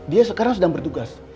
dia sekarang sedang bertugas